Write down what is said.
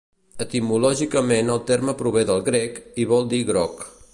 Etimològicament el terme prové del grec i vol dir groc.